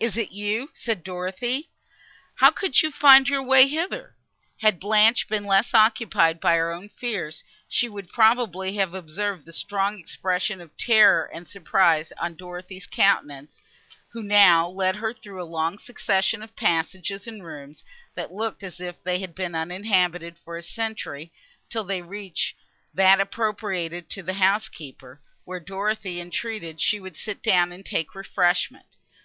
is it you?" said Dorothée, "How could you find your way hither?" Had Blanche been less occupied by her own fears, she would probably have observed the strong expressions of terror and surprise on Dorothée's countenance, who now led her through a long succession of passages and rooms, that looked as if they had been uninhabited for a century, till they reached that appropriated to the housekeeper, where Dorothée entreated she would sit down and take refreshment.